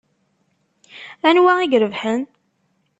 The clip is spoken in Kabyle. Anwa i irebḥen?